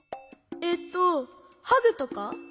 えっとハグとか？